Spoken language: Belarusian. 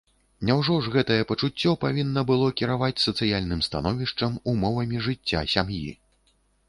Няўжо ж гэтае пачуццё павінна было кіраваць сацыяльным становішчам, умовамі жыцця сям'і?